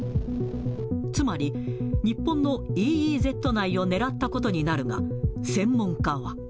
つまり、日本のＥＥＺ内を狙ったことになるが、専門家は。